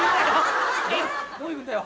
どこ行くんだよ？